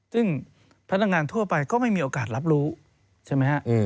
ซึ่งพนักงานทั่วไปก็ไม่มีโอกาสรับรู้ใช่ไหมฮะ